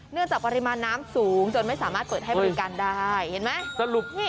จากปริมาณน้ำสูงจนไม่สามารถเปิดให้บริการได้เห็นไหมสรุปนี่